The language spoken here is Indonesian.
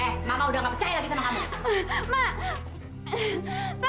eh mama udah gak percaya lagi sama anaknya